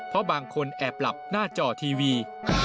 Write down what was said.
เพราะบางคนแอบหลับหน้าจอทีวี